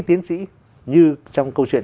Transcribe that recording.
tiến sĩ như trong câu chuyện